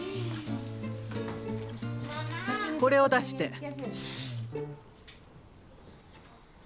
これを出して！